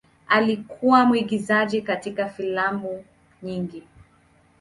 Alikuwa pia mwigizaji katika filamu nyingi.